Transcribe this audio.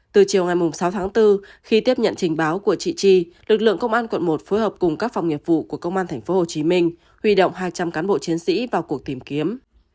từ chiều ngày sáu tháng bốn khi tiếp nhận trình báo của chị chi lực lượng công an quận một phối hợp cùng các phòng nghiệp vụ của công an tp hcm huy động hai trăm linh cán bộ chiến sĩ vào cuộc tìm kiếm